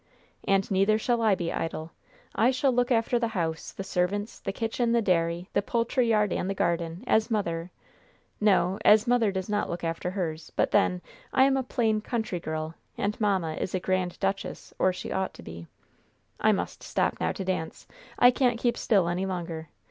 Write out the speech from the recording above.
"And neither shall I be idle. I shall look after the house, the servants, the kitchen, the dairy, the poultry yard and the garden, as mother no as mother does not look after hers but, then, I am a plain, country girl, and mamma is a grand duchess, or she ought to be. I must now stop to dance. I can't keep still any longer.